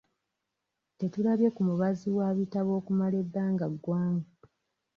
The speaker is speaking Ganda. Tetulabye ku mubazi wa bitabo okumala ebbanga gwanvu.